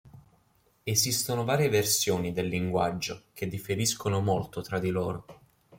Esistono varie versioni del linguaggio, che differiscono molto tra di loro.